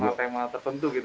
tema tema tertentu gitu